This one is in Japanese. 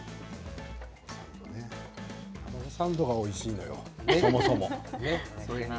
卵サンドがおいしいのよそもそも。